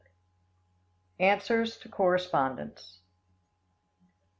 Answers to Correspondents.